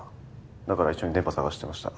だから一緒に電波探してました。